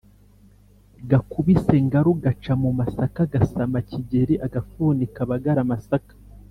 Gakubise ngaru gaca mu masaka gasama Kigeri.-Agafuni kabagara amasaka.